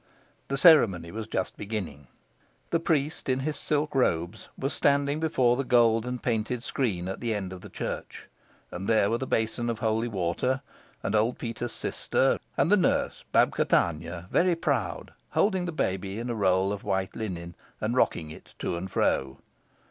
The ceremony was just beginning. The priest, in his silk robes, was standing before the gold and painted screen at the end of the church, and there were the basin of holy water, and old Peter's sister, and the nurse Babka Tanya, very proud, holding the baby in a roll of white linen, and rocking it to and fro.